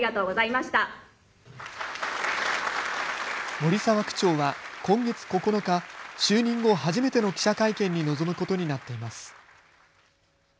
森澤区長は今月９日、就任後初めての記者会見に臨むことになっています。